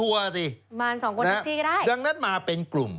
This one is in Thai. สิมาสองคนแท็กซี่ก็ได้ดังนั้นมาเป็นกลุ่ม